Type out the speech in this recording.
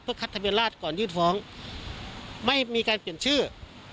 คัดทะเบียนราชก่อนยื่นฟ้องไม่มีการเปลี่ยนชื่อ